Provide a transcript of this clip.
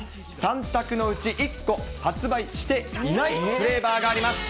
３択のうち、１個発売していないフレーバーがあります。